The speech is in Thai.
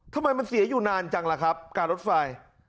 ทำไมมันเสียอยู่นานจังล่ะครับการรถไฟ